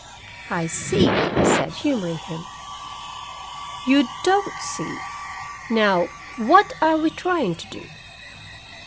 '" "I see," I said, humoring him. "You don't see. Now, what are we trying to do?"